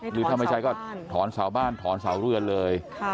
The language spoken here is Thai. หรือถ้าไม่ใช้ก็ถอนเสาบ้านถอนเสาเรือนเลย